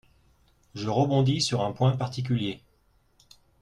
Je rebondis sur un point particulier.